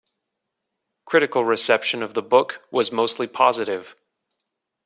Critical reception of the book was mostly positive.